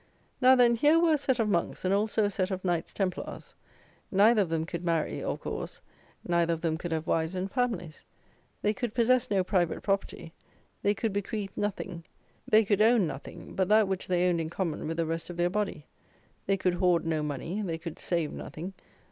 Now then, here were a set of monks, and also a set of Knights' Templars. Neither of them could marry; of course, neither of them could have wives and families. They could possess no private property; they could bequeath nothing; they could own nothing; but that which they owned in common with the rest of their body. They could hoard no money; they could save nothing.